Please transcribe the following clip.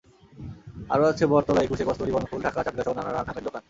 আরও আছে বটতলা, একুশে, কস্তুরী, বনফুল, ঢাকা, চাটগাঁসহ নানা নামের দোকান।